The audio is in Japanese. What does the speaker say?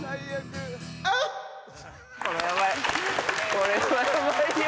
これはすごいよ。